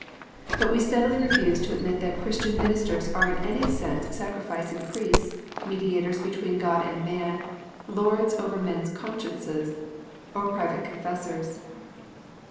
But we steadily refuse to admit that Christian ministers are in any sense sacrificing priests, mediators between God and man, lords of men s consciences, or private confessors.